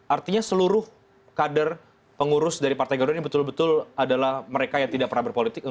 artinya seluruh kader pengurus dari partai garuda ini betul betul adalah mereka yang tidak pernah berpolitik